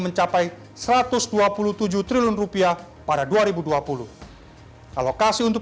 semoga kebutuhan anda lebih sabar